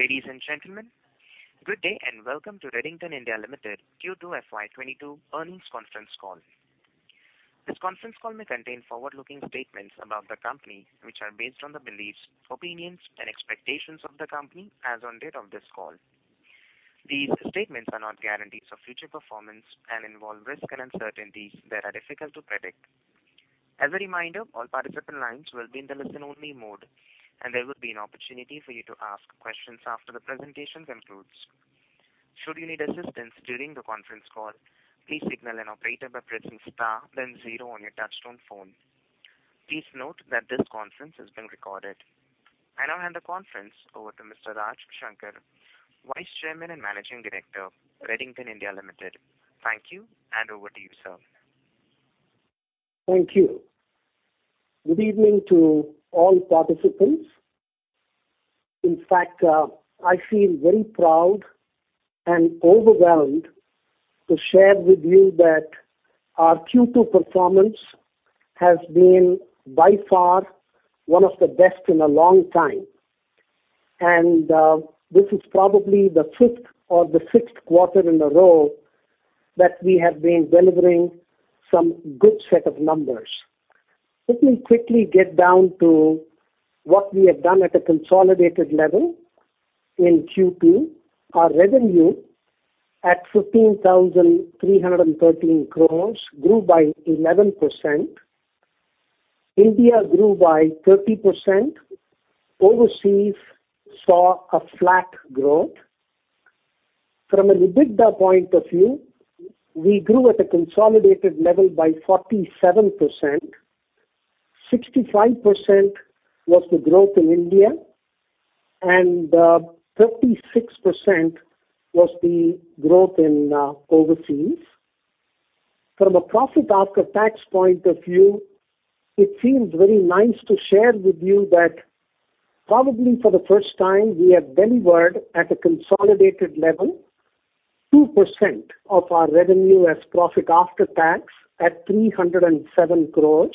Ladies and gentlemen, good day and welcome to Redington (India) Limited Q2 FY 2022 earnings conference call. This conference call may contain forward-looking statements about the company, which are based on the beliefs, opinions and expectations of the company as on date of this call. These statements are not guarantees of future performance and involve risks and uncertainties that are difficult to predict. As a reminder, all participant lines will be in the listen-only mode, and there will be an opportunity for you to ask questions after the presentation concludes. Should you need assistance during the conference call, please signal an operator by pressing Star then zero on your touchtone phone. Please note that this conference is being recorded. I now hand the conference over to Mr. Raj Shankar, Vice Chairman and Managing Director of Redington (India) Limited. Thank you, and over to you, sir. Thank you. Good evening to all participants. In fact, I feel very proud and overwhelmed to share with you that our Q2 performance has been by far one of the best in a long time. This is probably the fifth or the sixth quarter in a row that we have been delivering some good set of numbers. Let me quickly get down to what we have done at a consolidated level in Q2. Our revenue at 15,313 crore grew by 11%. India grew by 30%. Overseas saw a flat growth. From an EBITDA point of view, we grew at a consolidated level by 47%. 65% was the growth in India and 36% was the growth in overseas. From a profit after tax point of view, it seems very nice to share with you that probably for the first time we have delivered at a consolidated level 2% of our revenue as profit after tax at 307 crore.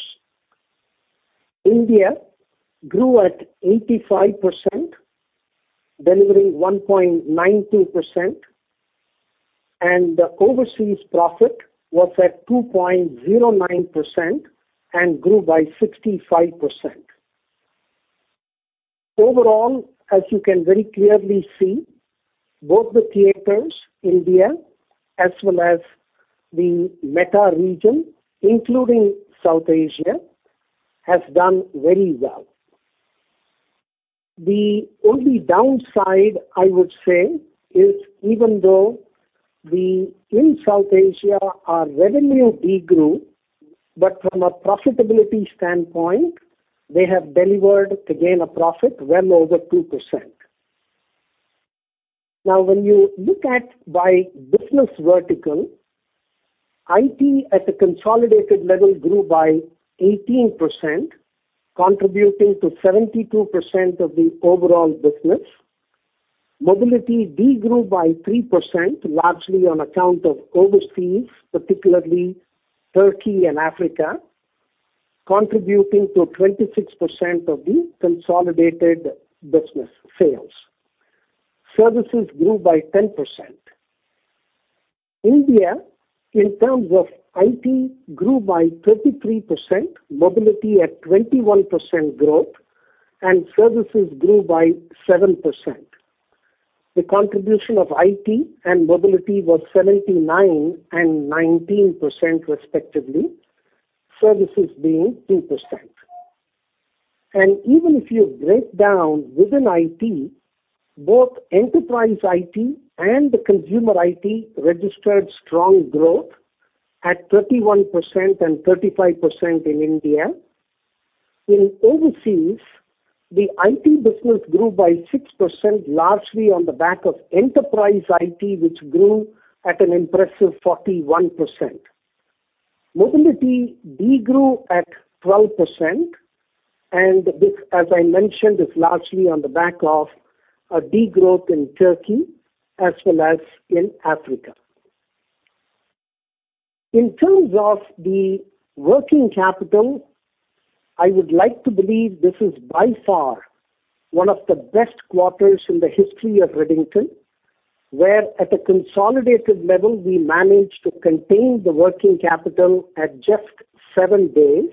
India grew 85%, delivering 1.92%, and overseas profit was at 2.09% and grew 65%. Overall, as you can very clearly see, both the theaters, India as well as the META region, including South Asia, has done very well. The only downside, I would say, is even though we in South Asia, our revenue degrew, but from a profitability standpoint, they have delivered again a profit well over 2%. Now, when you look at by business vertical, IT at a consolidated level grew 18%, contributing to 72% of the overall business. Mobility degrew by 3%, largely on account of overseas, particularly Turkey and Africa, contributing to 26% of the consolidated business sales. Services grew by 10%. India, in terms of IT, grew by 33%, mobility at 21% growth, and services grew by 7%. The contribution of IT and mobility was 79% and 19% respectively, services being 2%. Even if you break down within IT, both enterprise IT and the consumer IT registered strong growth at 31% and 35% in India. In overseas, the IT business grew by 6%, largely on the back of enterprise IT, which grew at an impressive 41%. Mobility degrew at 12%, and this, as I mentioned, is largely on the back of a degrowth in Turkey as well as in Africa. In terms of the working capital, I would like to believe this is by far one of the best quarters in the history of Redington, where at a consolidated level we managed to contain the working capital at just seven days.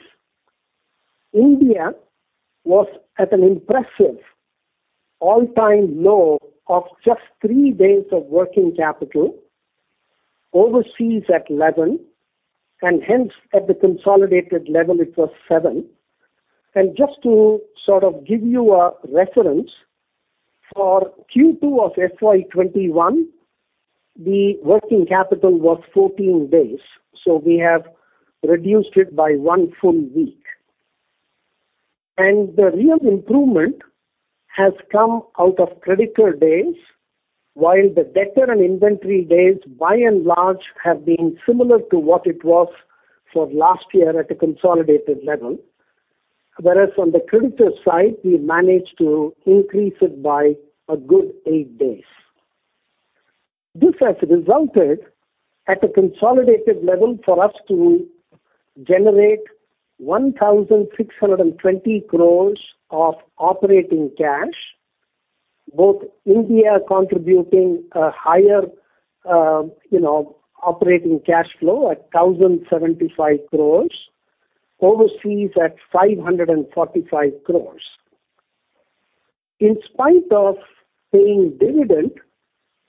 India was at an impressive all-time low of just three days of working capital. Overseas at 11, and hence at the consolidated level it was seven. Just to sort of give you a reference, for Q2 of FY 2021, the working capital was 14 days. We have reduced it by one full week. The real improvement has come out of creditor days. While the debtor and inventory days by and large have been similar to what it was for last year at a consolidated level. Whereas on the creditor side, we managed to increase it by a good eight days. This has resulted at a consolidated level for us to generate 1,620 crores of operating cash, both India contributing a higher, you know, operating cash flow at 1,075 crores, overseas at 545 crores. In spite of paying dividend,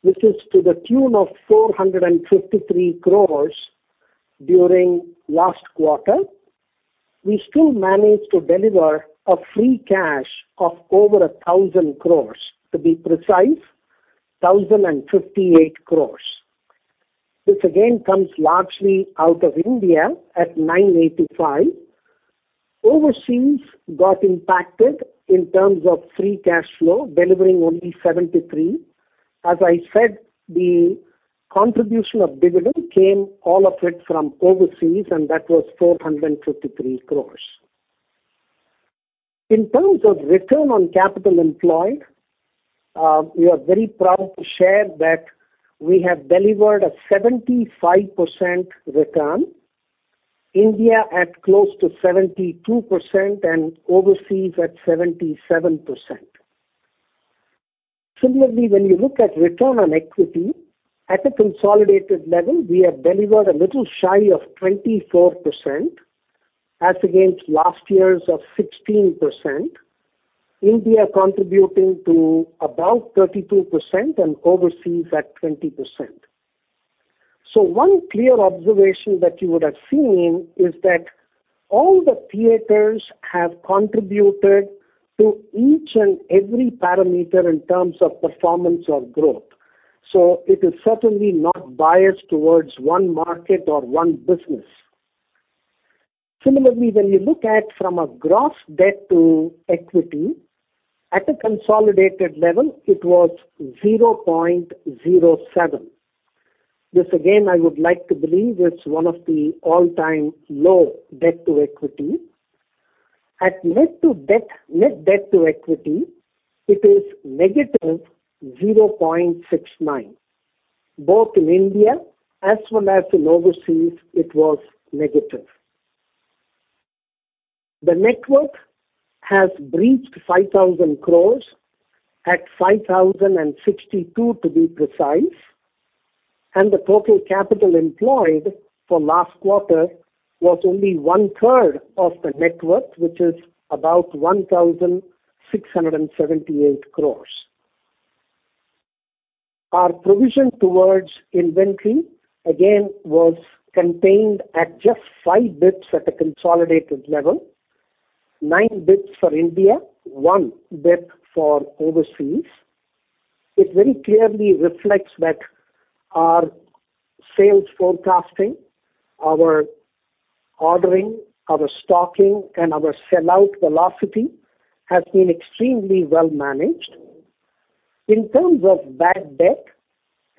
which is to the tune of 453 crores during last quarter, we still managed to deliver a free cash of over 1,000 crores, to be precise, 1,058 crores. This again comes largely out of India at 985. Overseas got impacted in terms of free cash flow, delivering only 73. As I said, the contribution of dividend came all of it from overseas, and that was 453 crores. In terms of return on capital employed, we are very proud to share that we have delivered a 75% return, India at close to 72% and overseas at 77%. Similarly, when you look at return on equity, at a consolidated level, we have delivered a little shy of 24% as against last year's of 16%, India contributing to about 32% and overseas at 20%. One clear observation that you would have seen is that all the theaters have contributed to each and every parameter in terms of performance or growth. It is certainly not biased towards one market or one business. Similarly, when you look at from a gross debt to equity, at a consolidated level, it was 0.07. This again, I would like to believe it's one of the all-time low debt to equity. Net debt to equity, it is -0.69, both in India as well as in overseas. It was negative. The net worth has breached 5,000 crores at 5,062 to be precise, and the total capital employed for last quarter was only one-third of the net worth, which is about 1,678 crores. Our provision towards inventory again was contained at just 5 basis points at a consolidated level, 9 basis points for India, 1 basis point for overseas. It very clearly reflects that our sales forecasting, our ordering, our stocking, and our sellout velocity has been extremely well managed. In terms of bad debt,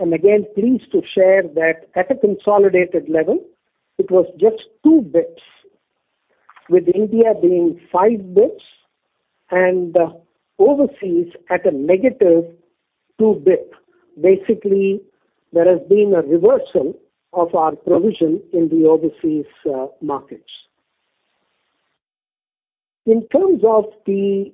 I'm again pleased to share that at a consolidated level, it was just 2 basis points, with India being 5 basis points and overseas at a-2 basis points. Basically, there has been a reversal of our provision in the overseas markets. In terms of the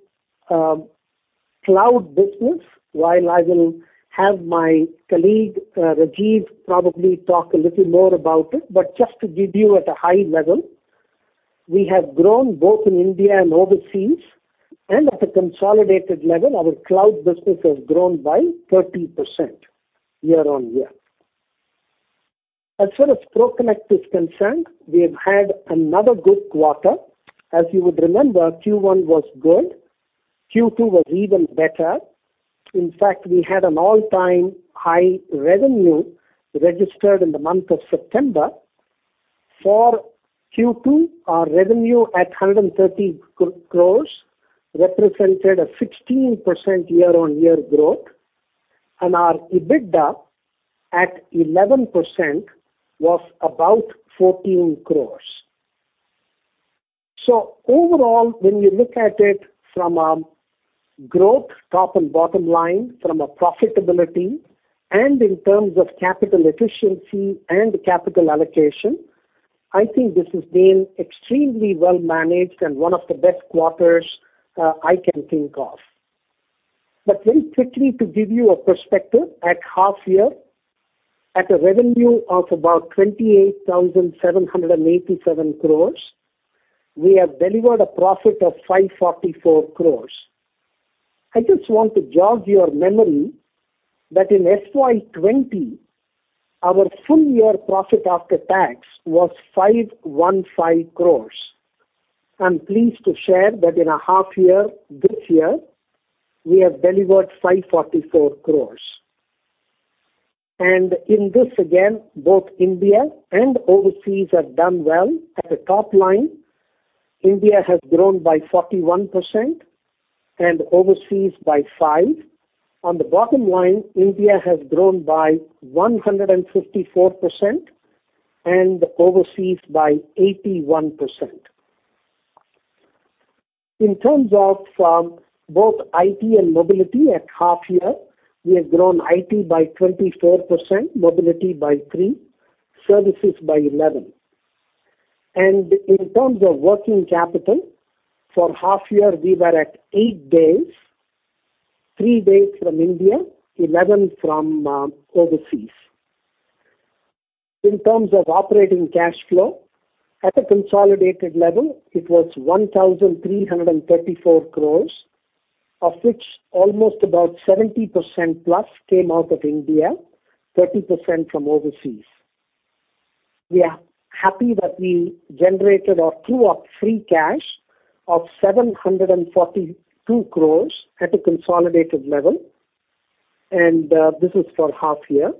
cloud business, while I will have my colleague Rajiv probably talk a little more about it, but just to give you at a high level, we have grown both in India and overseas, and at a consolidated level, our cloud business has grown by 30% year-on-year. As far as ProConnect is concerned, we have had another good quarter. As you would remember, Q1 was good. Q2 was even better. In fact, we had an all-time high revenue registered in the month of September. For Q2, our revenue at 130 crores represented a 16% year-on-year growth, and our EBITDA at 11% was about INR 14 crores. Overall, when you look at it from a growth top and bottom line, from a profitability and in terms of capital efficiency and capital allocation, I think this has been extremely well managed and one of the best quarters I can think of. Very quickly to give you a perspective, at half year, at a revenue of about 28,787 crores, we have delivered a profit of 544 crores. I just want to jog your memory that in FY 2020, our full year profit after tax was 515 crores. I'm pleased to share that in a half year this year we have delivered 544 crores. In this again, both India and overseas have done well. At the top line, India has grown by 41% and overseas by 5%. On the bottom line, India has grown by 154% and overseas by 81%. In terms of both IT and mobility at half year, we have grown IT by 24%, mobility by 3%, services by 11%. In terms of working capital for half year, we were at eight days, three days from India, 11 from overseas. In terms of operating cash flow at a consolidated level, it was 1,334 crore, of which almost about 70% plus came out of India, 30% from overseas. We are happy that we generated or threw up free cash of 742 crore at a consolidated level, and this is for half year.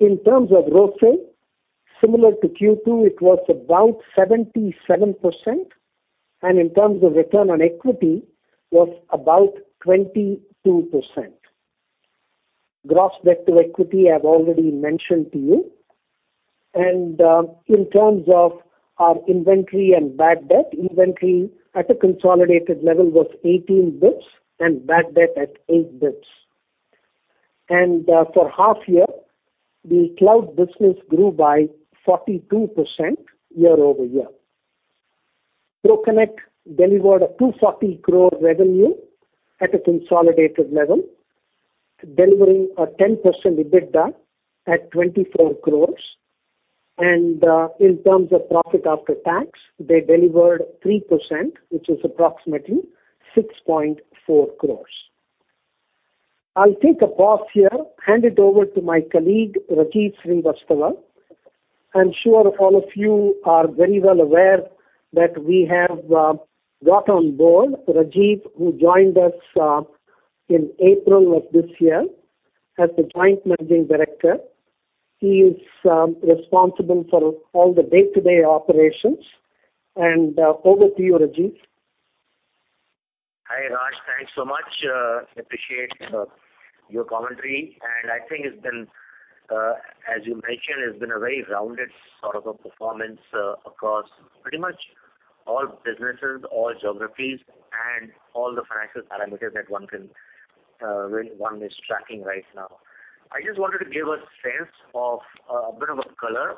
In terms of ROCE, similar to Q2, it was about 77%, and in terms of return on equity was about 22%. Gross debt to equity I've already mentioned to you. In terms of our inventory and bad debt, inventory at a consolidated level was 18 bps and bad debt at 8 bps. For half year, the cloud business grew by 42% year-over-year. ProConnect delivered a 240 crore revenue at a consolidated level, delivering a 10% EBITDA at 24 crore. In terms of profit after tax, they delivered 3%, which is approximately 6.4 crore. I'll take a pause here, hand it over to my colleague, Rajiv Srivastava. I'm sure all of you are very well aware that we have got on board Rajiv, who joined us in April of this year as the Joint Managing Director. He is responsible for all the day-to-day operations. Over to you, Rajiv. Hi, Raj. Thanks so much. Appreciate your commentary. I think it's been, as you mentioned, a very rounded sort of a performance across pretty much all businesses, all geographies, and all the financial parameters that one can really track right now. I just wanted to give a sense of a bit of a color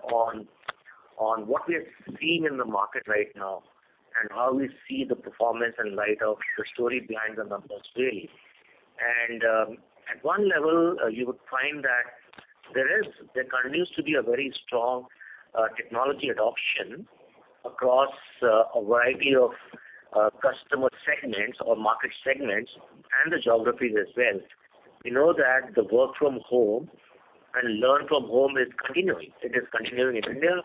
on what we are seeing in the market right now and how we see the performance in light of the story behind the numbers really. At one level, you would find that there continues to be a very strong technology adoption across a variety of customer segments or market segments and the geographies as well. We know that the work from home and learn from home is continuing. It is continuing in India.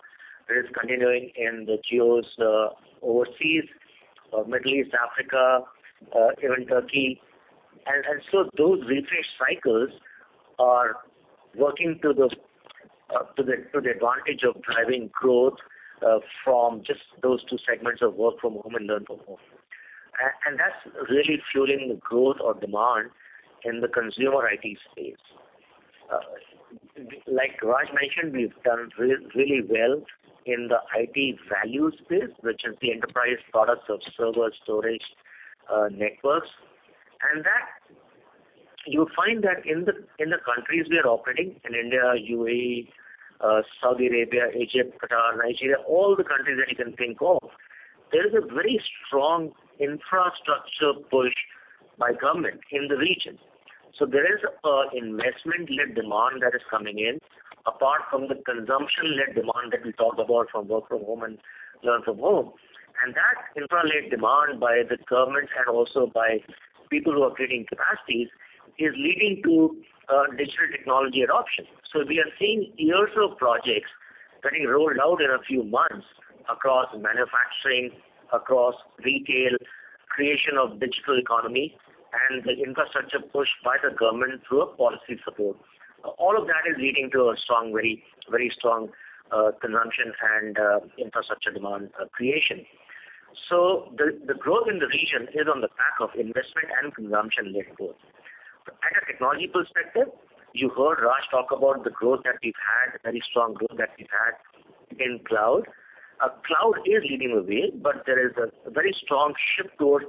It is continuing in the geos, overseas, Middle East, Africa, even Turkey. Those refresh cycles are working to the advantage of driving growth from just those two segments of work from home and learn from home. That's really fueling the growth or demand in the consumer IT space. Like Raj mentioned, we've done really well in the IT value space, which is the enterprise products of server storage, networks. That you'll find that in the countries we are operating, in India, UAE, Saudi Arabia, Egypt, Qatar, Nigeria, all the countries that you can think of, there is a very strong infrastructure push by government in the region. There is an investment-led demand that is coming in apart from the consumption-led demand that we talked about from work from home and learn from home. That infra-led demand by the governments and also by people who are creating capacities is leading to digital technology adoption. We are seeing years of projects getting rolled out in a few months across manufacturing, across retail, creation of digital economy, and the infrastructure push by the government through a policy support. All of that is leading to a strong, very, very strong consumption and infrastructure demand creation. The growth in the region is on the back of investment and consumption-led growth. At a technology perspective, you heard Raj talk about the growth that we've had, very strong growth that we've had in cloud. Cloud is leading the way, but there is a very strong shift towards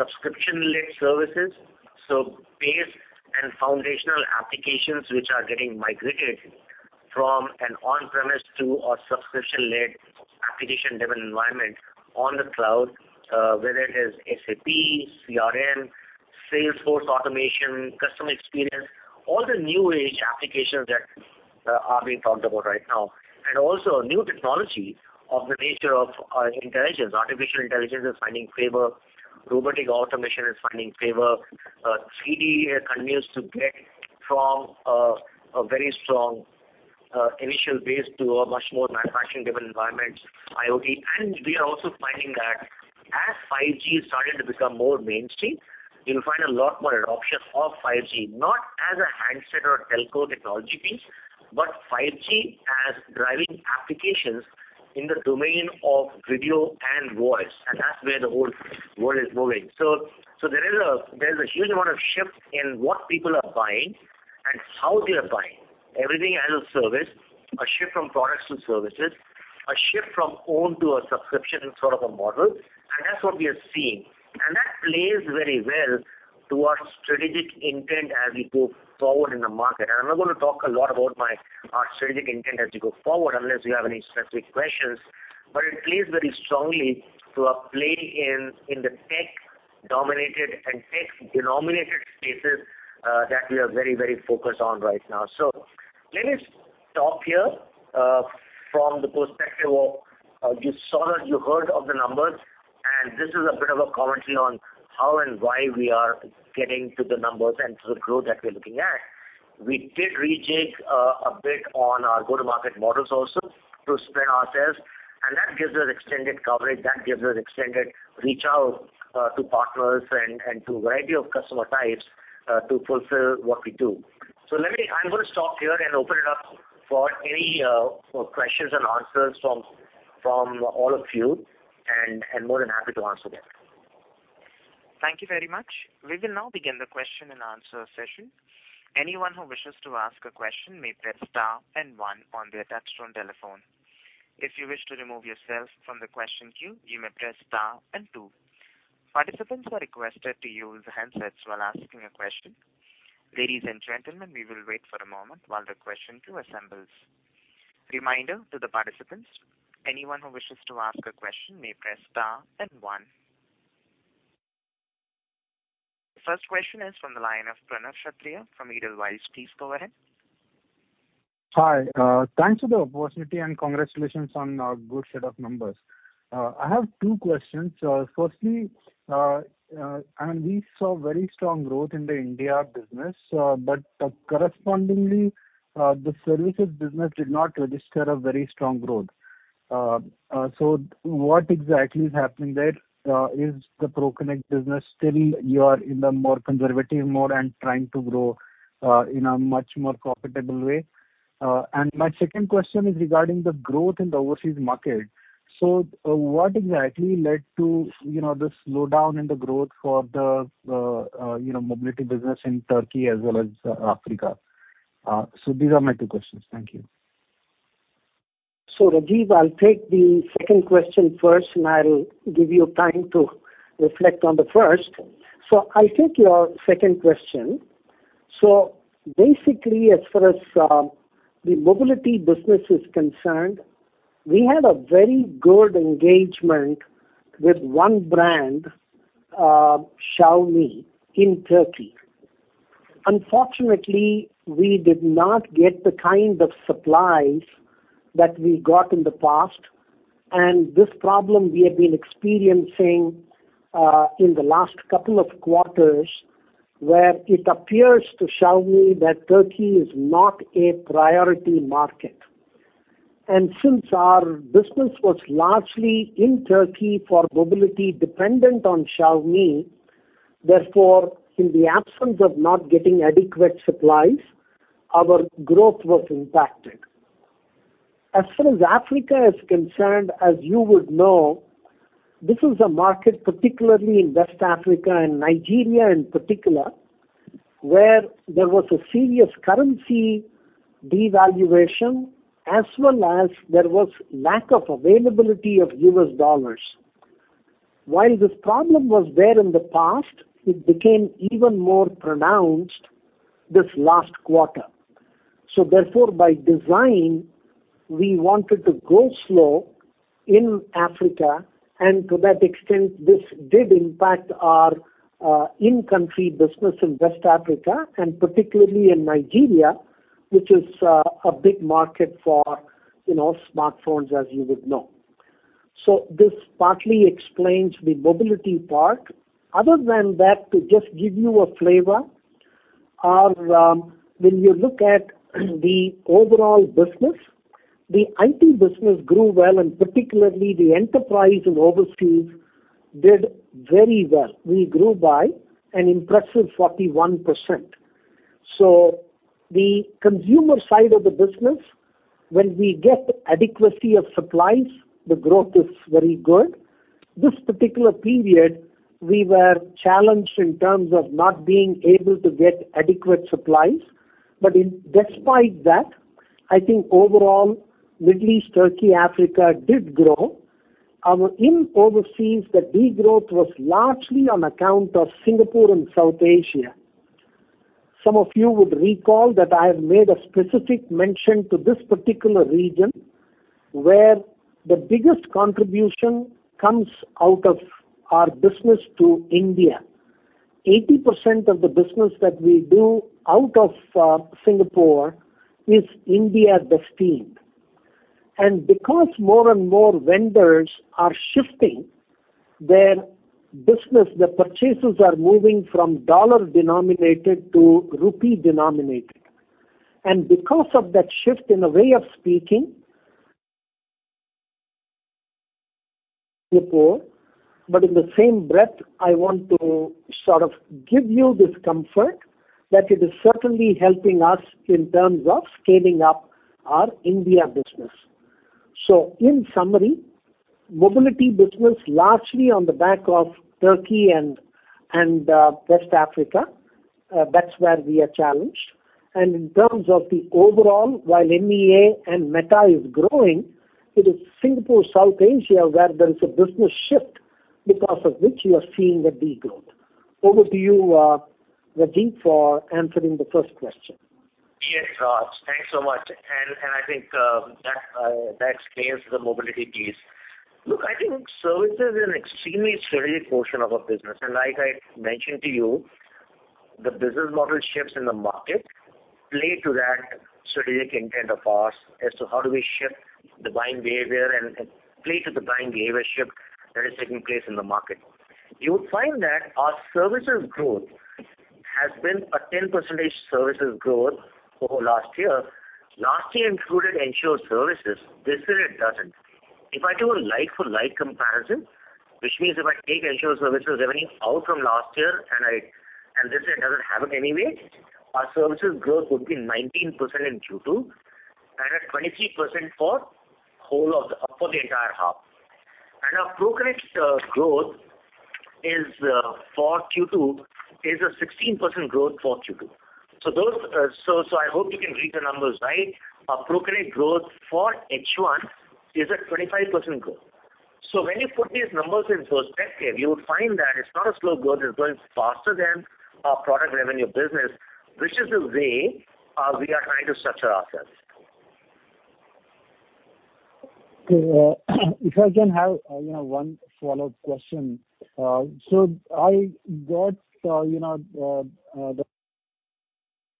subscription-led services. Base and foundational applications which are getting migrated from an on-premise to a subscription-led application-driven environment on the cloud, whether it is SAP, CRM, Salesforce automation, customer experience, all the new age applications that are being talked about right now. Also new technology of the nature of intelligence. Artificial intelligence is finding favor. Robotic automation is finding favor. CD continues to get from a very strong initial base to a much more manufacturing-driven environment, IoT. We are also finding that as 5G is starting to become more mainstream, you'll find a lot more adoption of 5G, not as a handset or a telco technology piece, but 5G as driving applications in the domain of video and voice, and that's where the whole world is moving. There is a huge amount of shift in what people are buying and how they are buying. Everything as a service, a shift from products to services, a shift from own to a subscription sort of a model, and that's what we are seeing. That plays very well to our strategic intent as we go forward in the market. I'm not gonna talk a lot about my, our strategic intent as we go forward, unless you have any specific questions. It plays very strongly to a play in the tech-dominated and tech-denominated spaces that we are very, very focused on right now. Let me stop here from the perspective of you saw and you heard of the numbers, and this is a bit of a commentary on how and why we are getting to the numbers and to the growth that we're looking at. We did rejig a bit on our go-to-market models also to spread ourselves, and that gives us extended coverage, that gives us extended reach out to partners and to a variety of customer types to fulfill what we do. I'm gonna stop here and open it up for any questions and answers from all of you. More than happy to answer them. Thank you very much. We will now begin the question-and-answer session. Anyone who wishes to ask a question may press star and one on their touch-tone telephone. If you wish to remove yourself from the question queue, you may press star and two. Participants are requested to use handsets while asking a question. Ladies and gentlemen, we will wait for a moment while the question queue assembles. Reminder to the participants, anyone who wishes to ask a question may press star and one. First question is from the line of Pranav Kshatriya from Edelweiss. Please go ahead. Hi. Thanks for the opportunity, and congratulations on a good set of numbers. I have two questions. Firstly, I mean, we saw very strong growth in the India business, but correspondingly, the services business did not register a very strong growth. What exactly is happening there? Is the ProConnect business still you are in a more conservative mode and trying to grow in a much more profitable way? My second question is regarding the growth in the overseas market. What exactly led to, you know, the slowdown in the growth for the, you know, mobility business in Turkey as well as Africa? These are my two questions. Thank you. Rajiv, I'll take the second question first, and I'll give you time to reflect on the first. I'll take your second question. Basically, as far as the mobility business is concerned, we had a very good engagement with one brand, Xiaomi, in Turkey. Unfortunately, we did not get the kind of supplies that we got in the past. This problem we have been experiencing in the last couple of quarters, where it appears to Xiaomi that Turkey is not a priority market. Since our business was largely in Turkey for mobility dependent on Xiaomi, therefore, in the absence of not getting adequate supplies, our growth was impacted. As far as Africa is concerned, as you would know, this is a market, particularly in West Africa and Nigeria in particular, where there was a serious currency devaluation as well as there was lack of availability of U.S. dollars. While this problem was there in the past, it became even more pronounced this last quarter. Therefore, by design, we wanted to grow slow in Africa, and to that extent, this did impact our in-country business in West Africa and particularly in Nigeria, which is a big market for, you know, smartphones, as you would know. This partly explains the mobility part. Other than that, to just give you a flavor, our. When you look at the overall business, the IT business grew well, and particularly the enterprise and overseas did very well. We grew by an impressive 41%. The consumer side of the business, when we get adequacy of supplies, the growth is very good. This particular period, we were challenged in terms of not being able to get adequate supplies. Despite that, I think overall, Middle East, Turkey, Africa did grow. In overseas, the de-growth was largely on account of Singapore and South Asia. Some of you would recall that I have made a specific mention to this particular region, where the biggest contribution comes out of our business to India. 80% of the business that we do out of Singapore is India-destined. Because more and more vendors are shifting their business, the purchases are moving from dollar-denominated to rupee-denominated. Because of that shift, in a way of speaking, Singapore. In the same breath, I want to sort of give you this comfort that it is certainly helping us in terms of scaling up our India business. In summary, mobility business largely on the back of Turkey and West Africa, that's where we are challenged. In terms of the overall, while MEA and META is growing, it is Singapore South Asia where there is a business shift because of which you are seeing the de-growth. Over to you, Rajiv, for answering the first question. Yes, Raj. Thanks so much. I think that explains the mobility piece. Look, I think services is an extremely strategic portion of our business, and like I mentioned to you, the business model shifts in the market play to that strategic intent of ours as to how do we shift the buying behavior and play to the buying behavior shift that is taking place in the market. You would find that our services growth has been a 10% services growth over last year. Last year included Ensure Services. This year it doesn't. If I do a like-for-like comparison, which means if I take Ensure Services revenue out from last year and this year it doesn't have it anyway, our services growth would be 19% in Q2 and at 23% for the entire half. Our ProConnect growth for Q2 is 16% growth for Q2. Those, so I hope you can read the numbers right. Our ProConnect growth for H1 is at 25% growth. When you put these numbers into perspective, you will find that it's not a slow growth. It's growing faster than our product revenue business, which is the way we are trying to structure ourselves. Okay. If I can have, you know, one follow-up question. I got, you know,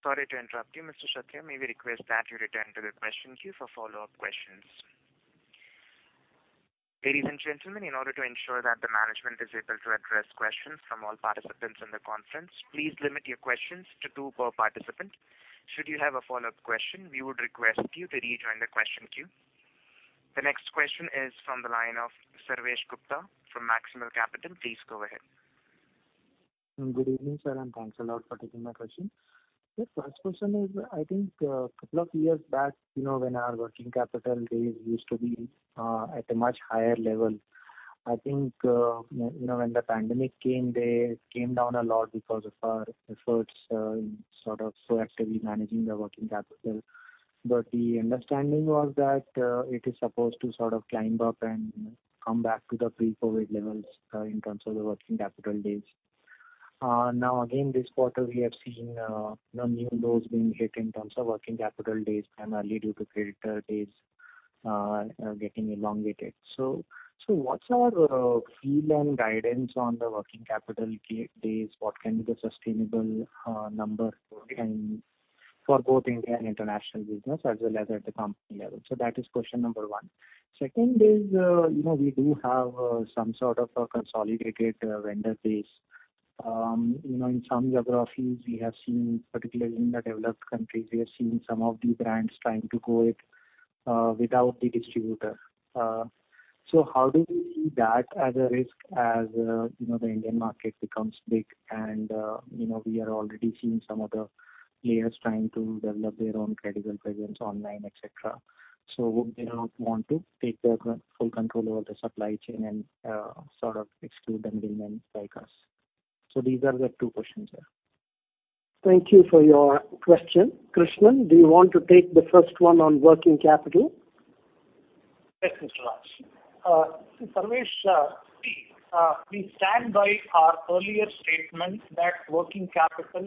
Sorry to interrupt you, Mr. Pranav. May we request that you return to the question queue for follow-up questions. Ladies and gentlemen, in order to ensure that the management is able to address questions from all participants in the conference, please limit your questions to two per participant. Should you have a follow-up question, we would request you to rejoin the question queue. The next question is from the line of Sarvesh Gupta from Maximal Capital. Please go ahead. Good evening, sir, and thanks a lot for taking my question. The first question is, I think, couple of years back, you know, when our working capital days used to be at a much higher level. I think, you know, when the pandemic came, they came down a lot because of our efforts in sort of proactively managing the working capital. The understanding was that it is supposed to sort of climb up and come back to the pre-COVID levels in terms of the working capital days. Now again, this quarter we have seen, you know, new lows being hit in terms of working capital days, primarily due to creditor days getting elongated. What's our feel and guidance on the working capital days? What can be the sustainable number and for both India and international business as well as at the company level? That is question number one. Second is, you know, we do have some sort of a consolidated vendor base. You know, in some geographies we have seen, particularly in the developed countries, we have seen some of the brands trying to go it without the distributor. How do you see that as a risk as, you know, the Indian market becomes big and, you know, we are already seeing some of the players trying to develop their own credible presence online, et cetera. Would they not want to take the full control over the supply chain and sort of exclude the middlemen like us? These are the two questions, sir. Thank you for your question. Krishnan, do you want to take the first one on working capital? Yes, Mr. Raj. Sarvesh, see, we stand by our earlier statement that working capital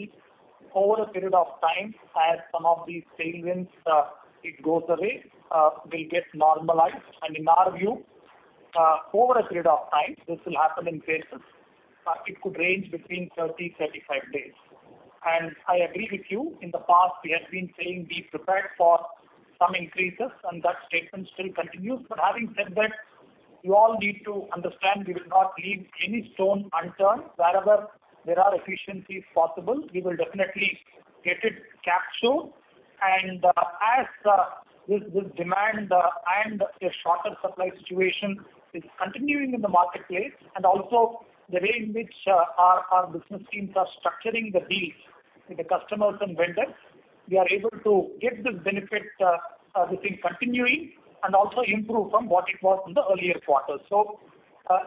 over a period of time as some of these tailwinds go away will get normalized. In our view, over a period of time, this will happen in phases. It could range between 30-35 days. I agree with you. In the past we had been saying be prepared for some increases, and that statement still continues. Having said that, you all need to understand we will not leave any stone unturned. Wherever there are efficiencies possible, we will definitely get it captured. As this demand and a shorter supply situation is continuing in the marketplace and also the way in which our business teams are structuring the deals with the customers and vendors, we are able to get this benefit, we think continuing and also improve from what it was in the earlier quarters.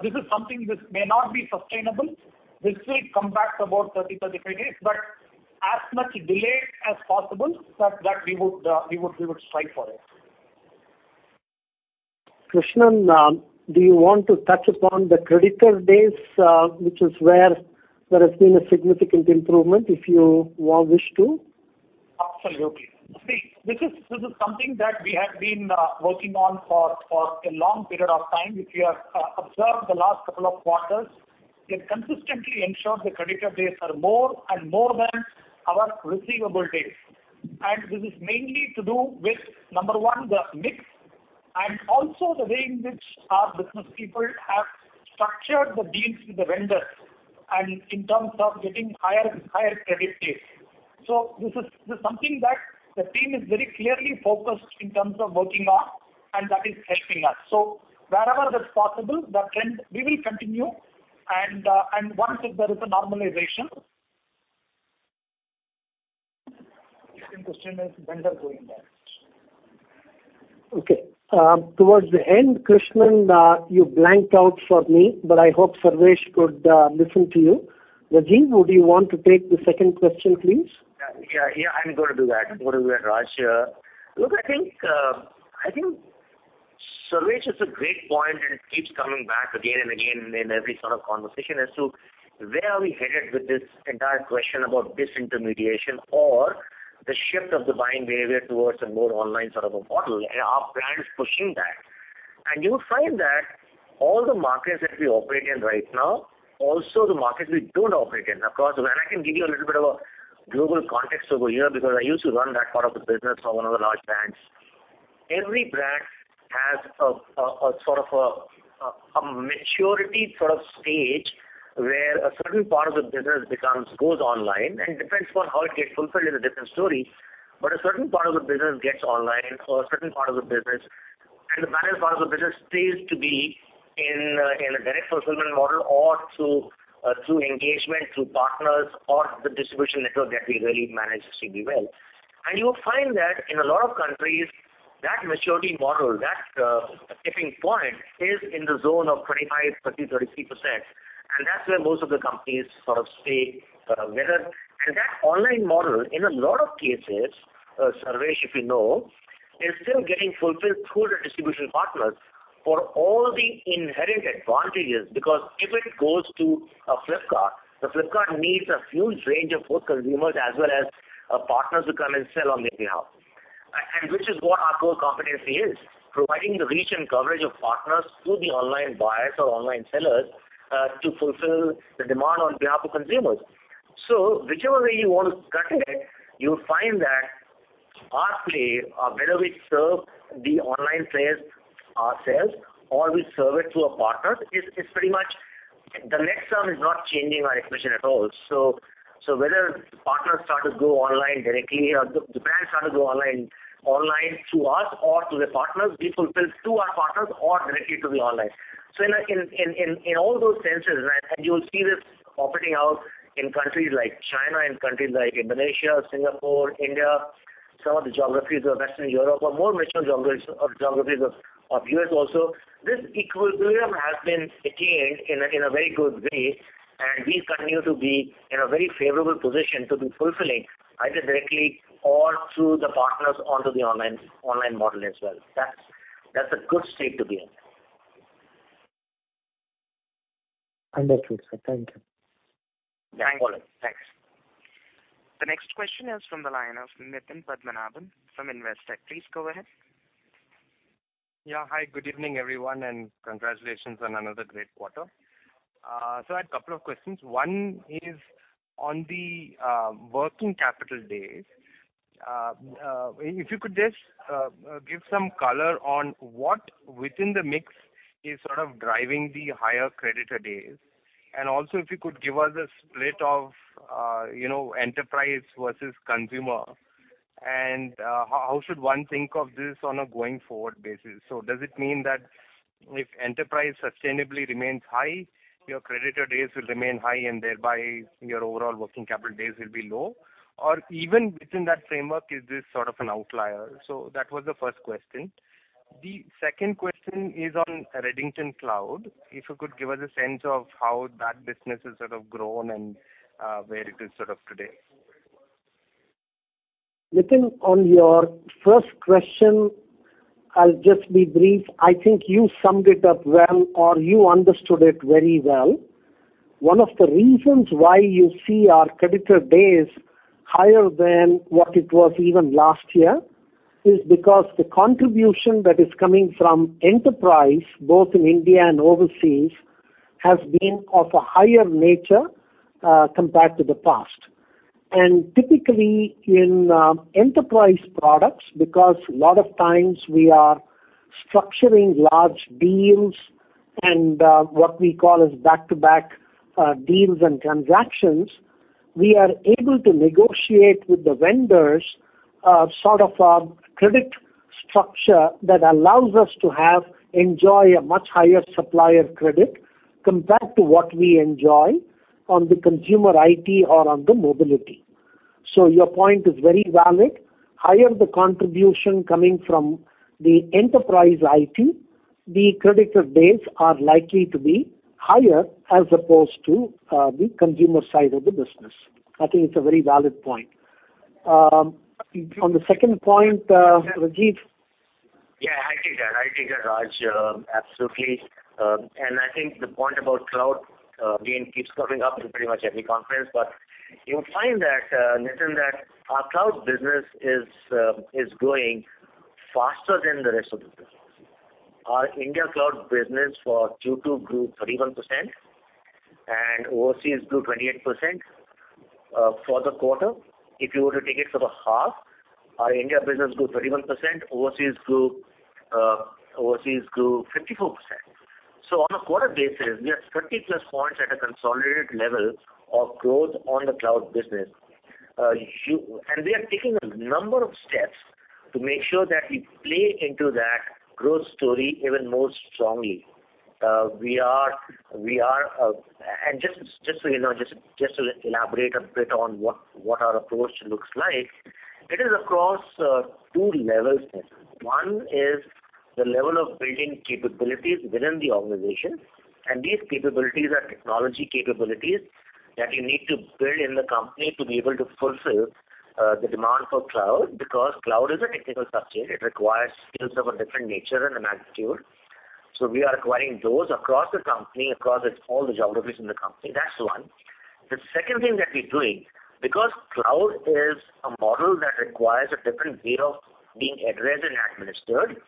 This is something which may not be sustainable. This will come back to about 35 days, but as much delayed as possible that we would strive for it. Krishnan, do you want to touch upon the creditor days, which is where there has been a significant improvement, if you wish to? Absolutely. See, this is something that we have been working on for a long period of time. If you have observed the last couple of quarters, we have consistently ensured the creditor days are more and more than our receivable days. This is mainly to do with, number one, the mix and also the way in which our business people have structured the deals with the vendors and in terms of getting higher and higher credit days. This is something that the team is very clearly focused in terms of working on, and that is helping us. Wherever that's possible, that trend we will continue and once if there is a normalization. Second question is vendor going down. Okay. Towards the end, Krishnan, you blanked out for me, but I hope Sarvesh could listen to you. Rajiv, would you want to take the second question, please? Yeah. I'm gonna do that. I'm gonna let Raj. Look, I think Sarvesh has a great point, and it keeps coming back again and again in every sort of conversation as to where are we headed with this entire question about disintermediation or the shift of the buying behavior towards a more online sort of a model, and are brands pushing that. You'll find that all the markets that we operate in right now, also the markets we don't operate in. Of course, where I can give you a little bit of a global context over here, because I used to run that part of the business for one of the large brands. Every brand has a sort of maturity stage where a certain part of the business goes online and depends on how it gets fulfilled is a different story. A certain part of the business gets online or a certain part of the business, and the balance part of the business stays to be in a direct fulfillment model or through engagement, through partners or the distribution network that we really manage extremely well. You'll find that in a lot of countries, that maturity model, that tipping point is in the zone of 25%-33%. That's where most of the companies sort of stay. That online model, in a lot of cases, Sarvesh, you know, is still getting fulfilled through the distribution partners for all the inherent advantages. Because if it goes to a Flipkart, the Flipkart needs a huge range of both consumers as well as partners who come and sell on their behalf. Which is what our core competency is, providing the reach and coverage of partners to the online buyers or online sellers to fulfill the demand on behalf of consumers. Whichever way you want to cut it, you'll find that our play, whether we serve the online players ourselves or we serve it through a partner, is pretty much the net sum is not changing our equation at all. Whether partners start to go online directly or the brands start to go online through us or through the partners, we fulfill through our partners or directly through the online. In all those senses, you'll see this operating out in countries like China, Indonesia, Singapore, India, some of the geographies of Western Europe or more mature geographies of the U.S. also, this equilibrium has been attained in a very good way. We continue to be in a very favorable position to be fulfilling either directly or through the partners onto the online model as well. That's a good state to be in. Understood, sir. Thank you. Thank you. Follow up. Thanks. The next question is from the line of Nitin Padmanabhan from Investec. Please go ahead. Yeah. Hi, good evening, everyone, and congratulations on another great quarter. I had a couple of questions. One is on the working capital days. If you could just give some color on what within the mix is sort of driving the higher creditor days. And also, if you could give us a split of, you know, enterprise versus consumer. And how should one think of this on a going forward basis? Does it mean that if enterprise sustainably remains high, your creditor days will remain high, and thereby your overall working capital days will be low? Or even within that framework, is this sort of an outlier? That was the first question. The second question is on Redington Cloud. If you could give us a sense of how that business has sort of grown and where it is sort of today. Nitin, on your first question, I'll just be brief. I think you summed it up well, or you understood it very well. One of the reasons why you see our creditor days higher than what it was even last year is because the contribution that is coming from enterprise, both in India and overseas, has been of a higher nature compared to the past. Typically in enterprise products, because a lot of times we are structuring large deals and what we call as back-to-back deals and transactions, we are able to negotiate with the vendors sort of a credit structure that allows us to have enjoy a much higher supplier credit compared to what we enjoy on the consumer IT or on the mobility. So your point is very valid. higher the contribution coming from the enterprise IT, the creditor days are likely to be higher as opposed to the consumer side of the business. I think it's a very valid point. On the second point, Rajiv. Yeah, I take that, Raj. Absolutely. I think the point about cloud, again, keeps coming up in pretty much every conference. You'll find that, Nithin, that our cloud business is growing faster than the rest of the business. Our India cloud business for Q2 grew 31% and overseas grew 28% for the quarter. If you were to take it for the half, our India business grew 31%, overseas grew 54%. So on a quarter basis, we are 30+ points at a consolidated level of growth on the cloud business. We are taking a number of steps to make sure that we play into that growth story even more strongly. We are... Just so you know, to elaborate a bit on what our approach looks like, it is across two levels. One is the level of building capabilities within the organization, and these capabilities are technology capabilities that you need to build in the company to be able to fulfill the demand for cloud. Because cloud is a technical subject, it requires skills of a different nature and a magnitude. We are acquiring those across the company, across all the geographies in the company. That's one. The second thing that we're doing, because cloud is a model that requires a different way of being addressed and administered,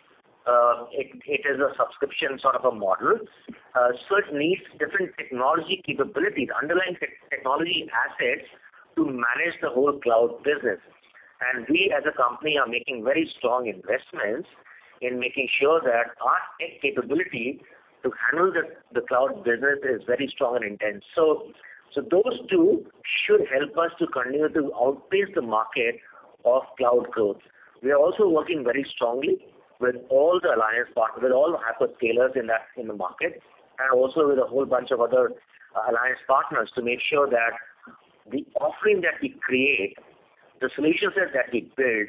it is a subscription sort of a model. It needs different technology capabilities, underlying technology assets to manage the whole cloud business. We as a company are making very strong investments in making sure that our tech capability to handle the cloud business is very strong and intense. Those two should help us to continue to outpace the market of cloud growth. We are also working very strongly with all hyperscalers in the market, and also with a whole bunch of other alliance partners to make sure that the offering that we create, the solutions that we build,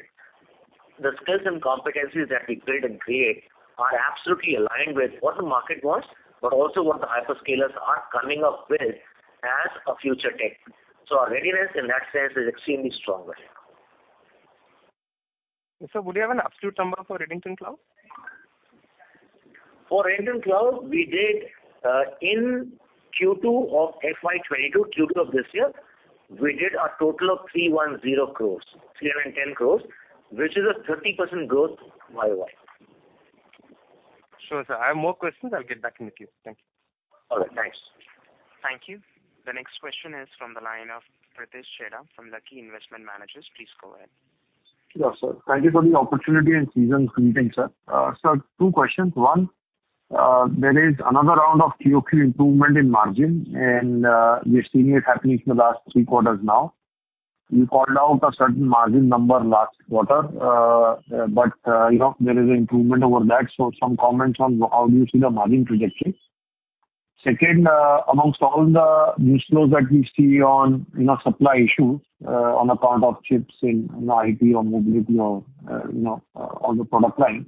the skills and competencies that we build and create are absolutely aligned with what the market wants, but also what the hyperscalers are coming up with as a future tech. Our readiness in that sense is extremely strong right now. Would you have an absolute number for Redington Cloud? For Redington Cloud, we did in Q2 of FY 2022, Q2 of this year, we did a total of 310 crores, 310 crores, which is a 30% growth YoY. Sure, sir. I have more questions. I'll get back in the queue. Thank you. All right. Thanks. Thank you. The next question is from the line of Pritesh Chheda from Lucky Investment Managers. Please go ahead. Yeah, sir. Thank you for the opportunity, and season's greetings, sir. Sir, two questions. One, there is another round of QoQ improvement in margin, and we've seen it happening in the last three quarters now. You called out a certain margin number last quarter. But you know, there is improvement over that. So some comments on how do you see the margin projections. Second, among all the news flows that we see on, you know, supply issues on account of chips in, you know, IT or mobility or, you know, other product lines,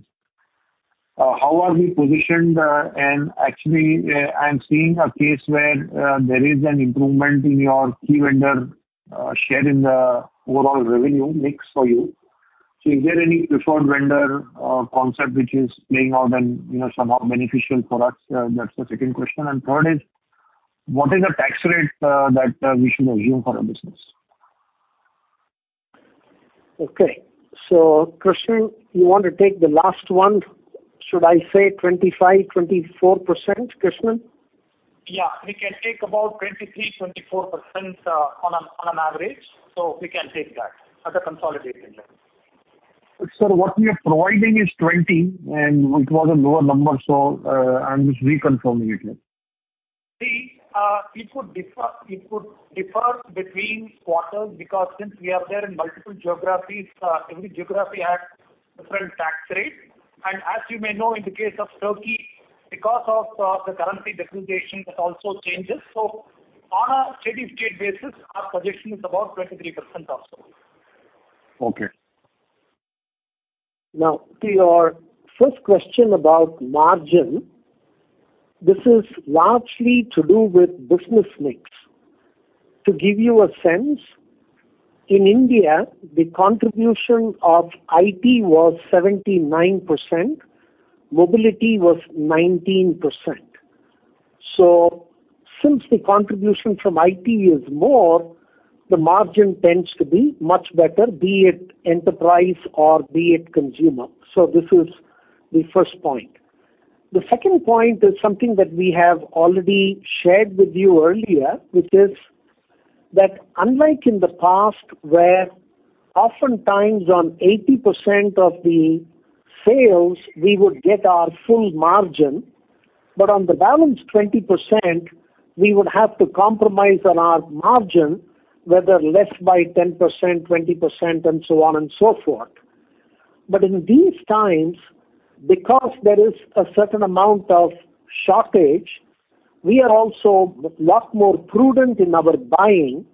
how are we positioned? And actually, I'm seeing a case where there is an improvement in your key vendor share in the overall revenue mix for you. Is there any preferred vendor concept which is playing out and, you know, somehow beneficial for us? That's the second question. Third is what is the tax rate that we should assume for our business? Okay. Krishnan, you want to take the last one? Should I say 25, 24%, Krishnan? Yeah, we can take about 23%-24% on an average. We can take that at a consolidated level. Sir, what we are providing is 20, and it was a lower number, so I'm just reconfirming it here. It would differ between quarters because since we are there in multiple geographies, every geography has different tax rates. As you may know, in the case of Turkey, because of the currency depreciation, that also changes. On a steady-state basis, our projection is about 23% also. Okay. Now, to your first question about margin, this is largely to do with business mix. To give you a sense, in India, the contribution of IT was 79%, mobility was 19%. Since the contribution from IT is more, the margin tends to be much better, be it enterprise or be it consumer. This is the first point. The second point is something that we have already shared with you earlier, which is that unlike in the past where oftentimes on 80% of the sales we would get our full margin, but on the balance 20% we would have to compromise on our margin, whether less by 10%, 20%, and so on and so forth. In these times, because there is a certain amount of shortage, we are also a lot more prudent in our buying.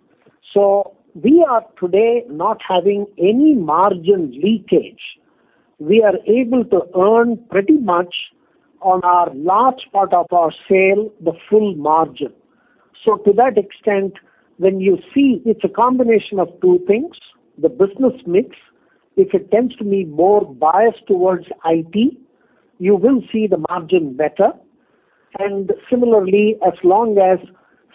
We are today not having any margin leakage. We are able to earn pretty much on our large part of our sale, the full margin. To that extent, when you see it's a combination of two things, the business mix, if it tends to be more biased towards IT, you will see the margin better. Similarly, as long as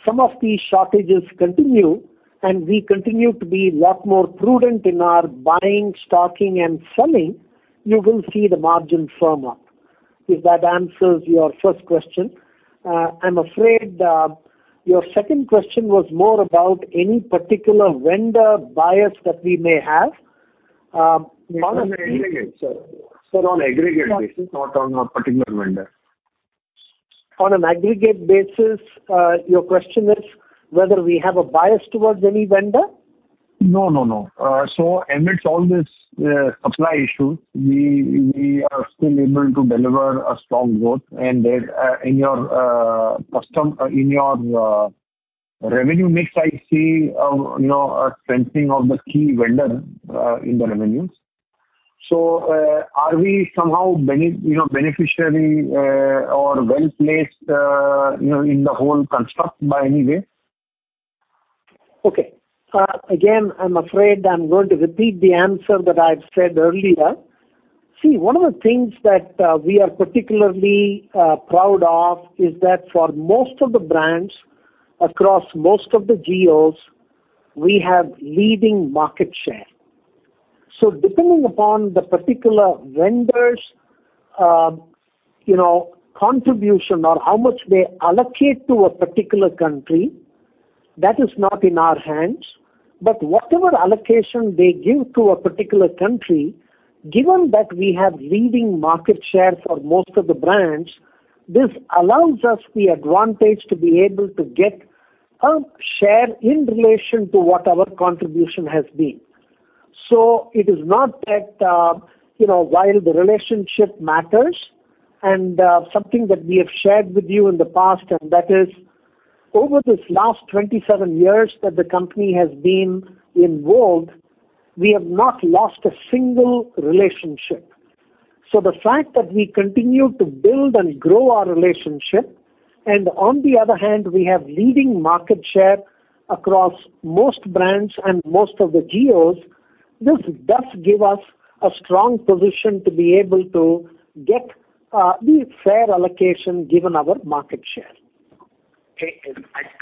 some of these shortages continue and we continue to be a lot more prudent in our buying, stocking, and selling, you will see the margin firm up, if that answers your first question. I'm afraid, your second question was more about any particular vendor bias that we may have. Honestly- On an aggregate basis, sir, not on a particular vendor. On an aggregate basis, your question is whether we have a bias towards any vendor? No, no. Amidst all this supply issues, we are still able to deliver a strong growth. There in your revenue mix, I see, you know, a strengthening of the key vendor in the revenues. Are we somehow beneficiary, you know, or well-placed, you know, in the whole construct in any way? Okay. Again, I'm afraid I'm going to repeat the answer that I've said earlier. See, one of the things that we are particularly proud of is that for most of the brands across most of the geos, we have leading market share. Depending upon the particular vendors' contribution or how much they allocate to a particular country, that is not in our hands. Whatever allocation they give to a particular country, given that we have leading market share for most of the brands, this allows us the advantage to be able to get our share in relation to what our contribution has been. It is not that, you know, while the relationship matters and, something that we have shared with you in the past, and that is over this last 27 years that the company has been involved, we have not lost a single relationship. The fact that we continue to build and grow our relationship and on the other hand, we have leading market share across most brands and most of the geos, this does give us a strong position to be able to get, the fair allocation given our market share. Okay.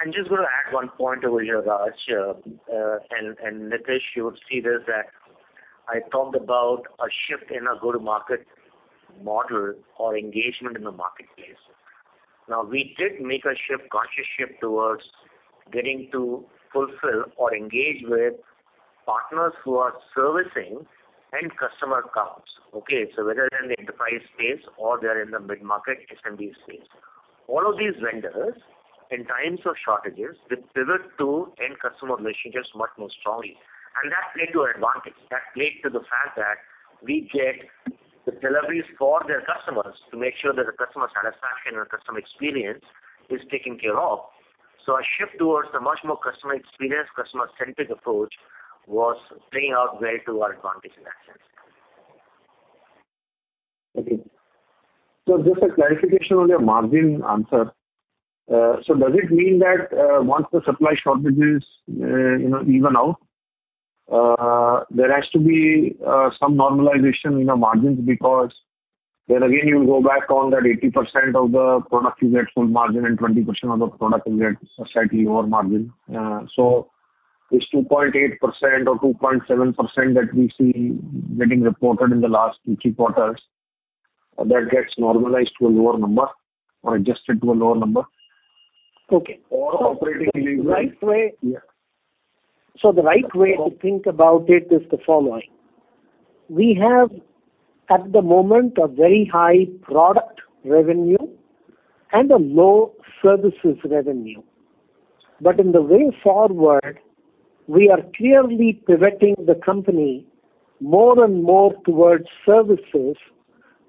I'm just gonna add one point over here, Raj. And Pritesh, you would see this, that I talked about a shift in our go-to-market model or engagement in the marketplace. Now, we did make a shift, conscious shift towards getting to fulfill or engage with partners who are servicing end customer accounts, okay? Whether they're in the enterprise space or they are in the mid-market SMB space. All of these vendors, in times of shortages, they pivot to end customer relationships much more strongly. That played to our advantage. That played to the fact that we get the deliveries for their customers to make sure that the customer satisfaction or customer experience is taken care of. A shift towards a much more customer experience, customer-centric approach was playing out very to our advantage in that sense. Okay. Just a clarification on your margin answer. Does it mean that, once the supply shortages, you know, even out, there has to be some normalization in the margins because then again, you go back on that 80% of the product you get full margin and 20% of the product you get slightly lower margin. This 2.8% or 2.7% that we see getting reported in the last 2, 3 quarters, that gets normalized to a lower number or adjusted to a lower number? Okay. Operating leverage. The right way- Yeah. The right way to think about it is the following: We have, at the moment, a very high product revenue and a low services revenue. In the way forward, we are clearly pivoting the company more and more towards services,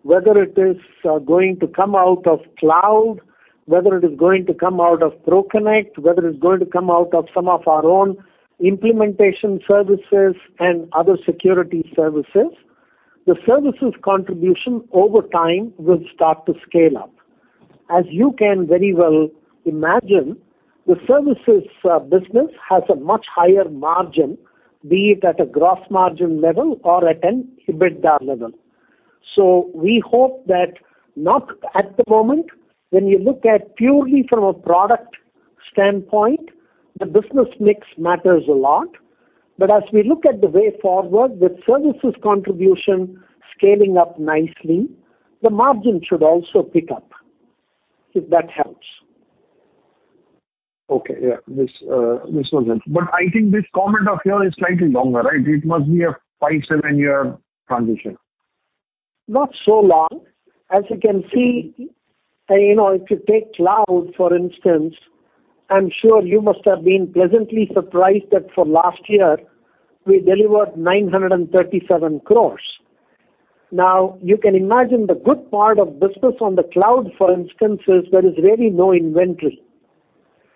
whether it is going to come out of cloud, whether it is going to come out of ProConnect, whether it's going to come out of some of our own implementation services and other security services. The services contribution over time will start to scale up. As you can very well imagine, the services business has a much higher margin, be it at a gross margin level or at an EBITDA level. We hope that not at the moment, when you look at purely from a product standpoint, the business mix matters a lot. As we look at the way forward with services contribution scaling up nicely, the margin should also pick up, if that helps. Okay. Yeah. This was helpful. I think this comment of yours is slightly longer, right? It must be a 5-7 year transition. Not so long. As you can see, you know, if you take cloud, for instance, I'm sure you must have been pleasantly surprised that for last year we delivered 937 crore. Now, you can imagine the good part of business on the cloud, for instance, is there is really no inventory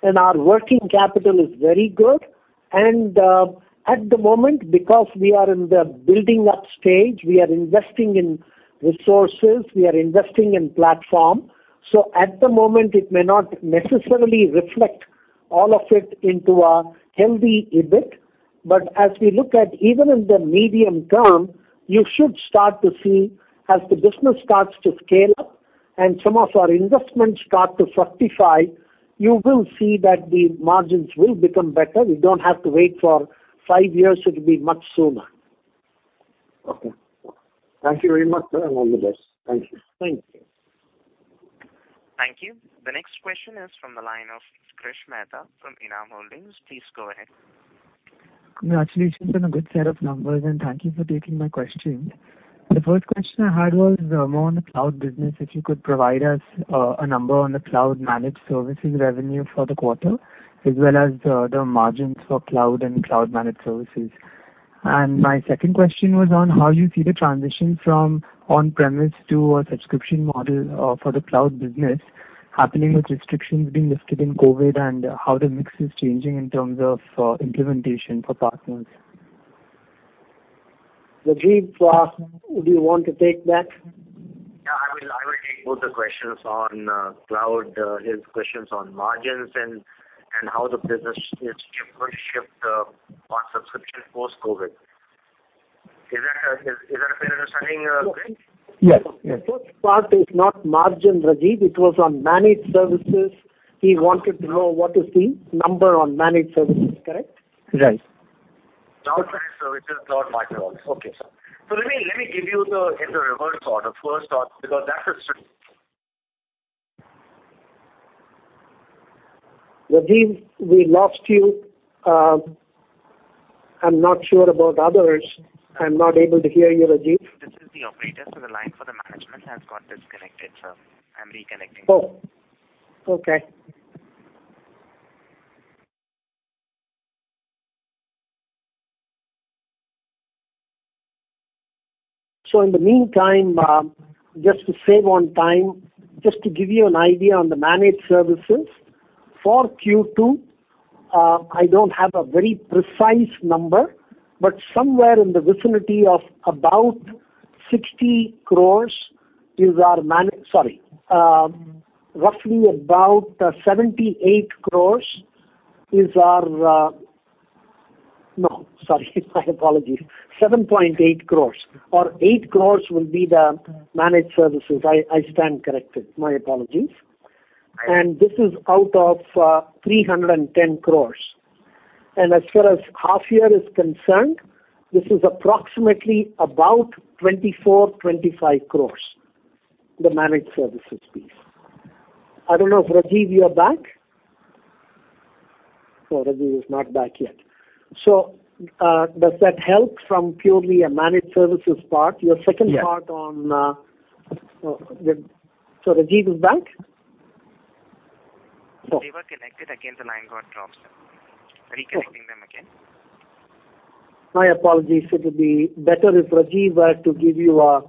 and our working capital is very good. At the moment, because we are in the building up stage, we are investing in resources, we are investing in platform. At the moment, it may not necessarily reflect all of it into a healthy EBIT. As we look at even in the medium term, you should start to see as the business starts to scale up and some of our investments start to fructify, you will see that the margins will become better. We don't have to wait for five years, it'll be much sooner. Okay. Thank you very much, sir, and all the best. Thank you. Thank you. Thank you. The next question is from the line of Krish Mehta from Enam Holdings. Please go ahead. Congratulations on a good set of numbers, and thank you for taking my question. The first question I had was more on the cloud business. If you could provide us a number on the cloud managed services revenue for the quarter as well as the margins for cloud and cloud managed services. My second question was on how you see the transition from on-premise to a subscription model for the cloud business happening with restrictions being lifted in COVID and how the mix is changing in terms of implementation for partners. Rajiv, do you want to take that? Yeah, I will take both the questions on cloud, his questions on margins and how the business is gonna shift on subscription post-COVID. Is that a fair understanding, Vin? Yes. Yes. The first part is not margin, Rajiv. It was on managed services. He wanted to know what is the number on managed services, correct? Right. Cloud managed services, cloud margin. Okay, sir. Let me give you the in the reverse order first off because that's a Rajiv, we lost you. I'm not sure about others. I'm not able to hear you, Rajiv. This is the operator. The line for the management has got disconnected, sir. I'm reconnecting. Oh, okay. In the meantime, just to save on time, just to give you an idea on the managed services, for Q2, I don't have a very precise number, but somewhere in the vicinity of about 60 crores. Roughly about 78 crores, 7.8 Crores or 8 crores will be the managed services. I stand corrected. My apologies. This is out of 310 crores. As far as half year is concerned, this is approximately about 24-25 crores, the managed services piece. I don't know if, Rajiv, you are back. Rajiv is not back yet. Does that help from purely a managed services part? Yes. Your second part on, So Rajiv is back? Oh. They were connected. Again, the line got dropped, sir. Reconnecting them again. My apologies. It would be better if Rajiv were to give you a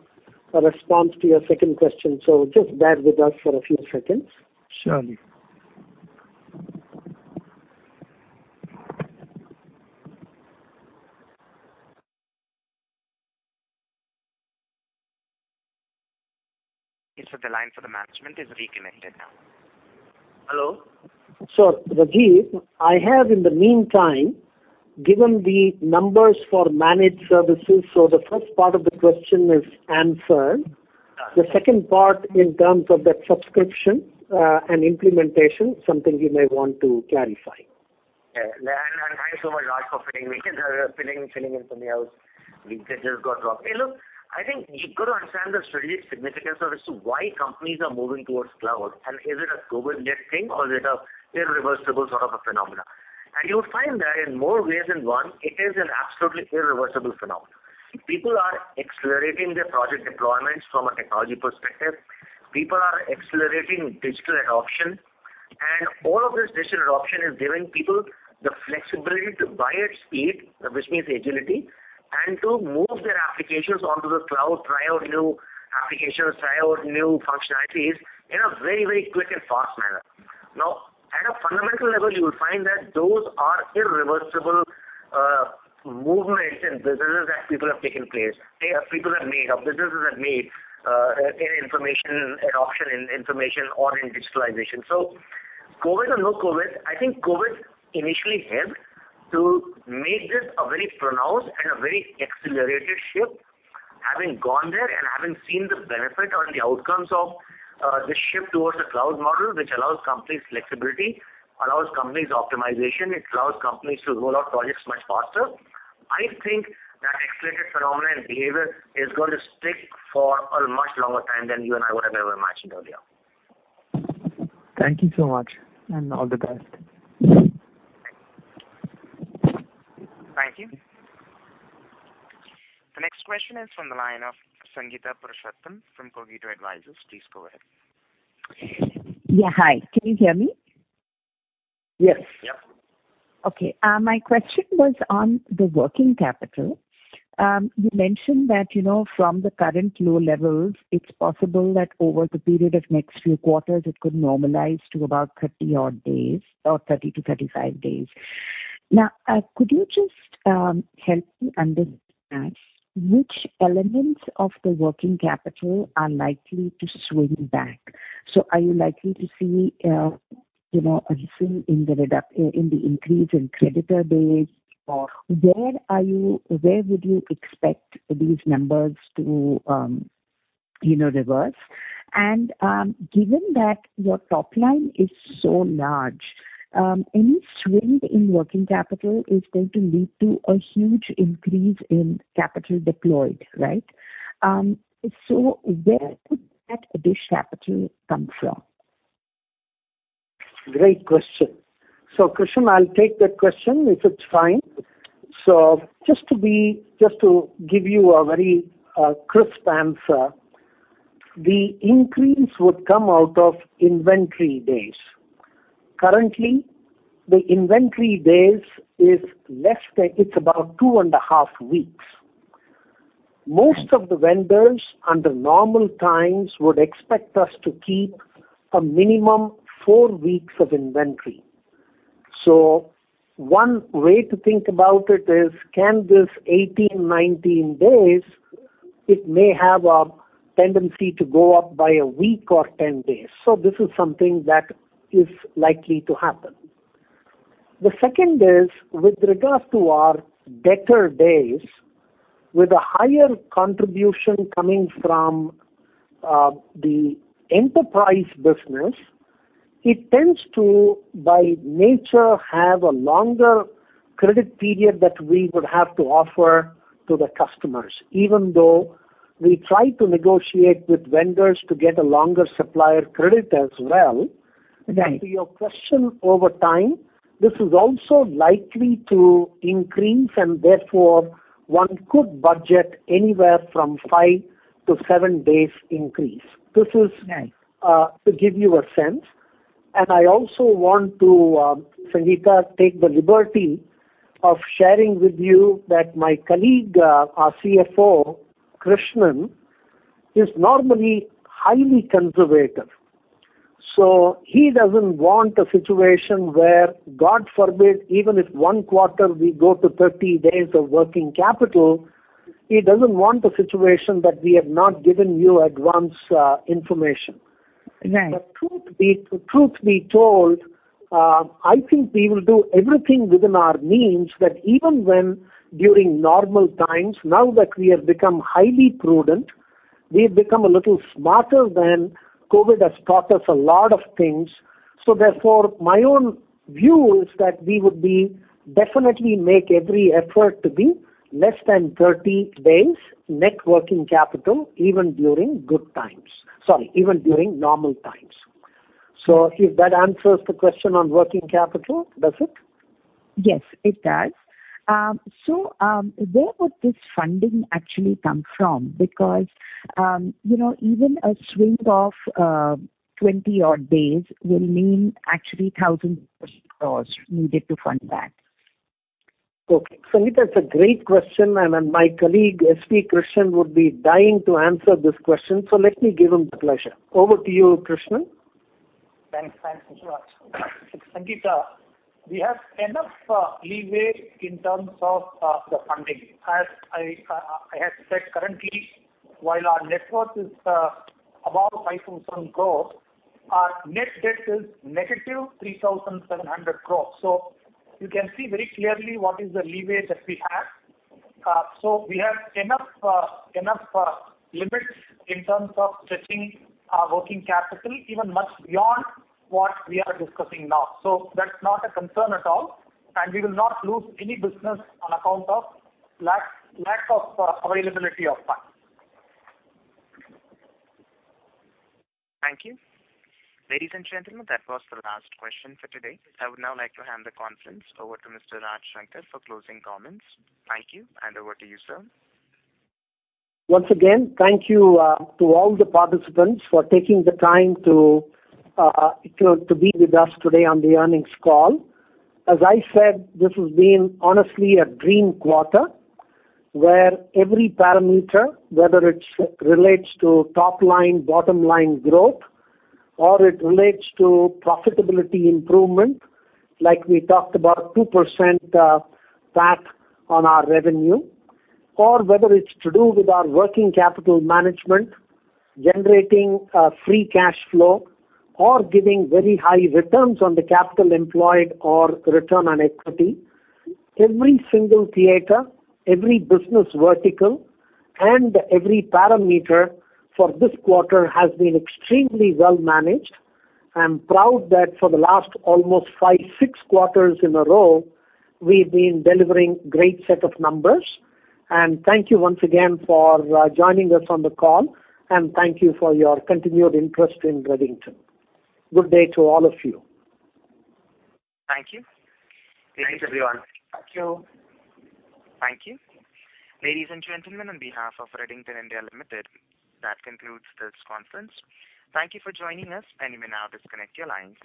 response to your second question. Just bear with us for a few seconds. Sure. Yes, the line for the management is reconnected now. Hello. Rajiv, I have in the meantime given the numbers for managed services, so the first part of the question is answered. Yeah. The second part in terms of that subscription and implementation, something you may want to clarify. Yeah. Thanks so much, Raj, for filling in for me. Linkages got dropped. Hey, look, I think you've got to understand the strategic significance of as to why companies are moving towards cloud, and is it a COVID-led thing or is it an irreversible sort of a phenomena? You'll find that in more ways than one, it is an absolutely irreversible phenomena. People are accelerating their project deployments from a technology perspective. People are accelerating digital adoption. All of this digital adoption is giving people the flexibility to buy at speed, which means agility, and to move their applications onto the cloud, try out new applications, try out new functionalities in a very quick and fast manner. Now, at a fundamental level, you will find that those are irreversible movements in businesses that have taken place. People have made or businesses have made in information adoption, in information or in digitalization. COVID or no COVID, I think COVID initially helped to make this a very pronounced and a very accelerated shift. Having gone there and having seen the benefit or the outcomes of the shift towards a cloud model, which allows companies flexibility, allows companies optimization, it allows companies to roll out projects much faster. I think that accelerated phenomena and behavior is going to stick for a much longer time than you and I would have ever imagined earlier. Thank you so much, and all the best. Thank you. The next question is from the line of Sangeeta Purushottam from Cogito Advisors. Please go ahead. Yeah. Hi. Can you hear me? Yes. Yep. Okay. My question was on the working capital. You mentioned that, you know, from the current low levels, it's possible that over the period of next few quarters, it could normalize to about 30-odd days or 30-35 days. Now, could you just help me understand which elements of the working capital are likely to swing back? So are you likely to see, you know, a swing in the increase in creditor days or where would you expect these numbers to, you know, reverse? And, given that your top line is so large, any swing in working capital is going to lead to a huge increase in capital deployed, right? So where could that additional capital come from? Great question. Krishnan, I'll take that question if it's fine. Just to give you a very crisp answer, the increase would come out of inventory days. Currently, the inventory days is less than, it's about two and half weeks. Most of the vendors under normal times would expect us to keep a minimum four weeks of inventory. One way to think about it is can this 18, 19 days, it may have a tendency to go up by a week or 10 days. This is something that is likely to happen. The second is with regards to our debtor days, with a higher contribution coming from the enterprise business. It tends to, by nature, have a longer credit period that we would have to offer to the customers, even though we try to negotiate with vendors to get a longer supplier credit as well. Right. To your question over time, this is also likely to increase, and therefore one could budget anywhere from five to seven days increase. Right. To give you a sense, and I also want to, Sangeeta, take the liberty of sharing with you that my colleague, our CFO, Krishnan, is normally highly conservative. He doesn't want a situation where, God forbid, even if one quarter we go to 30 days of working capital, he doesn't want a situation that we have not given you advance information. Right. Truth be told, I think we will do everything within our means that even when during normal times, now that we have become highly prudent, we've become a little smarter than COVID has taught us a lot of things. Therefore, my own view is that we would be definitely make every effort to be less than 30 days net working capital, even during good times. Sorry, even during normal times. If that answers the question on working capital, does it? Yes, it does. Where would this funding actually come from? Because, you know, even a shrink of 20-odd days will mean actually thousands of crore needed to fund that. Okay. Sangeeta, it's a great question, and my colleague, S.V. Krishnan, would be dying to answer this question. Let me give him the pleasure. Over to you, Krishnan. Thanks. Thank you so much. Sangeeta, we have enough leeway in terms of the funding. As I have said currently, while our net worth is about 5,000 crore, our net debt is negative 3,700 crore. You can see very clearly what is the leverage that we have. We have enough limits in terms of stretching our working capital even much beyond what we are discussing now. That's not a concern at all, and we will not lose any business on account of lack of availability of funds. Thank you. Ladies and gentlemen, that was the last question for today. I would now like to hand the conference over to Mr. Raj Shankar for closing comments. Thank you, and over to you, sir. Once again, thank you to all the participants for taking the time to be with us today on the earnings call. As I said, this has been honestly a dream quarter, where every parameter, whether it relates to top line, bottom line growth, or it relates to profitability improvement, like we talked about 2% PAT on our revenue, or whether it's to do with our working capital management, generating free cash flow or giving very high returns on the capital employed or return on equity. Every single theater, every business vertical, and every parameter for this quarter has been extremely well managed. I'm proud that for the last almost five, six quarters in a row, we've been delivering great set of numbers. Thank you once again for joining us on the call and thank you for your continued interest in Redington. Good day to all of you. Thank you. Thanks, everyone. Thank you. Thank you. Ladies and gentlemen, on behalf of Redington (India) Limited, that concludes this conference. Thank you for joining us, and you may now disconnect your lines.